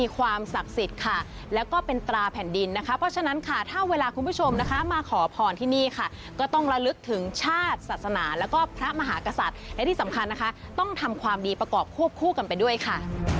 ก็ต้องระลึกถึงชาติศาสนาแล้วก็พระมหากษัตริย์และที่สำคัญนะคะต้องทำความดีประกอบควบคู่กันไปด้วยค่ะ